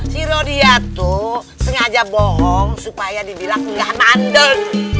si rodia tuh sengaja bohong supaya dibilang enggak mandul